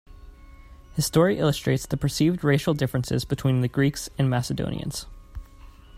His story illustrates the perceived racial differences between the Greeks and Macedonians.